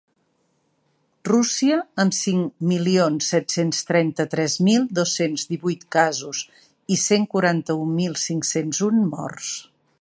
Rússia, amb cinc milions set-cents trenta-tres mil dos-cents divuit casos i cent quaranta-un mil cinc-cents un morts.